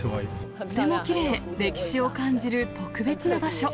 とてもきれい、歴史を感じる特別な場所。